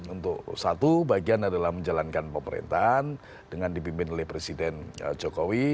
untuk satu bagian adalah menjalankan pemerintahan dengan dipimpin oleh presiden jokowi